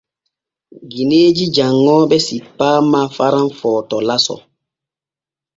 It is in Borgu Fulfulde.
Gineeji janŋooɓe cippaama Faran Footo laso.